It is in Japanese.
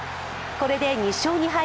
これで２勝２敗